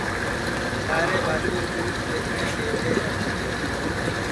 سارے بھاتُو ٻوٹ ٻیچٹؔیں گئوڑے ہے